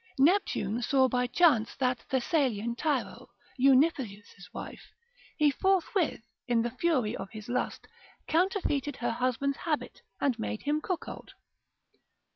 Neptune saw by chance that Thessalian Tyro, Eunippius' wife, he forthwith, in the fury of his lust, counterfeited her husband's habit, and made him cuckold.